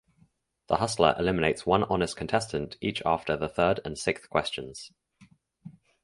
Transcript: The Hustler eliminates one honest contestant each after the third and sixth questions.